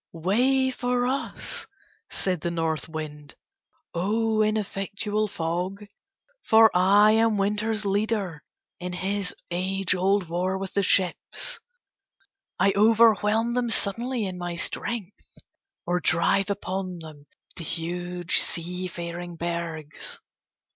"Way for us," said the North Wind, "O ineffectual fog, for I am Winter's leader in his age old war with the ships. I overwhelm them suddenly in my strength, or drive upon them the huge seafaring bergs.